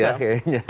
ngebut ya kayaknya